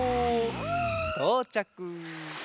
とうちゃく。